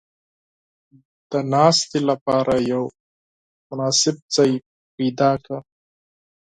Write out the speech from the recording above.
• د ناستې لپاره یو مناسب ځای پیدا کړه.